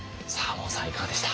門さんいかがでした？